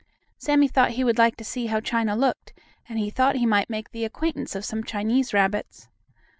Sammie thought he would like to see how China looked, and he thought he might make the acquaintance of some Chinese rabbits.